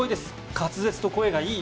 滑舌と声がいい